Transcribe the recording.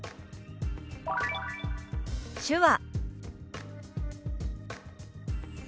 「手話」。